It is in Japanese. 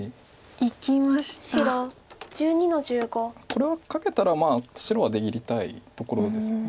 これはカケたらまあ白は出切りたいところです。